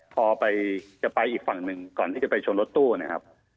พอไปจะไปอีกฝั่งหนึ่งก่อนที่จะไปชนรถตู้นะครับ